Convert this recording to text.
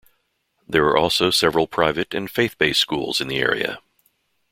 There are also several private and faith-based schools in the area.